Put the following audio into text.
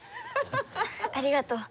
ありがとう。